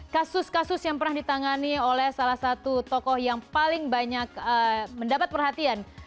kasus kasus yang pernah ditangani oleh salah satu tokoh yang paling banyak mendapat perhatian